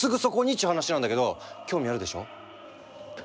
っちゅう話なんだけど興味あるでしょ？